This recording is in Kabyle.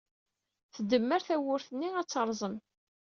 Tdemmer tawwurt-nni, ad terẓem.